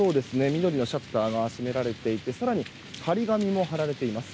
緑のシャッターが閉められていて貼り紙も貼られています。